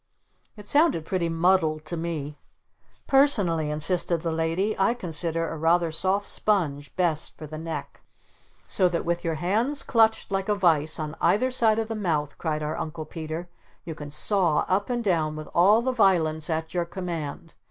It sounded pretty muddled to me. "Personally," insisted the Lady, "I consider a rather soft sponge best for the neck." "So that with your hands clutched like a vise on either side of the mouth," cried our Uncle Peter, "you can saw up and down with all the violence at your command!